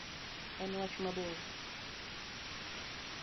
En wach mabor.